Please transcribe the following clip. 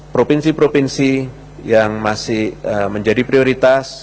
provinsi provinsi yang masih menjadi prioritas